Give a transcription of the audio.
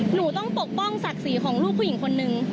หนูต้องปกป้องศักดิ์ศรีของลูกผู้หญิงคนนึง